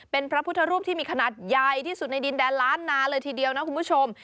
เป็นพระพุทธรูปที่มีขนาดใหญ่ที่สุดในดินแดนล้านนาเลยทีเดียวนะคุณผู้ชม